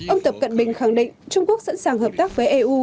ông tập cận bình khẳng định trung quốc sẵn sàng hợp tác với eu